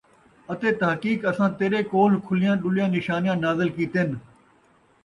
اَتے تحقیق اَساں تیݙے کولھ کُھلیاں ݙُلیاں نشانیاں نازل کِیتن،